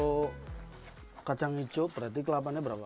untuk kacang hijau berarti kelapanya berapa